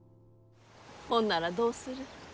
ほんならどうする？